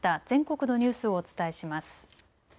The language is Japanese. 全国のニュースをお伝えします。